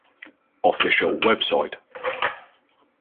Official Website.